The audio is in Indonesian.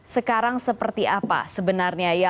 sekarang seperti apa sebenarnya